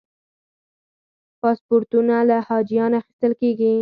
پاسپورتونه له حاجیانو اخیستل کېږي.